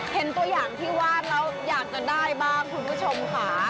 เห็นตัวอย่างที่วาดแล้วอยากจะได้บ้างคุณผู้ชมค่ะ